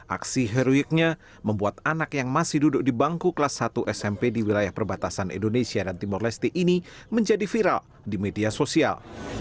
aksi heroiknya membuat anak yang masih duduk di bangku kelas satu smp di wilayah perbatasan indonesia dan timur leste ini menjadi viral di media sosial